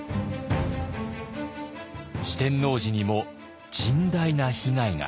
四天王寺にも甚大な被害が。